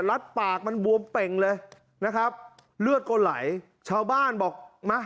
ปากมันบวมเป่งเลยนะครับเลือดก็ไหลชาวบ้านบอกมา